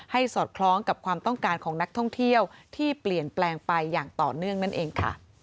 สอดคล้องกับความต้องการของนักท่องเที่ยวที่เปลี่ยนแปลงไปอย่างต่อเนื่องนั่นเองค่ะ